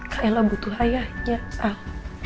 kayla butuh ayahnya al